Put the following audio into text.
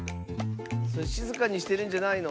それしずかにしてるんじゃないの？